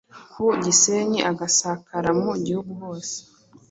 ku Gisenyi agasakara mu gihugu hose.”